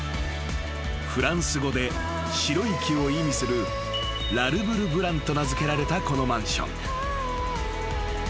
［フランス語で白い木を意味するラルブル・ブランと名付けられたこのマンション］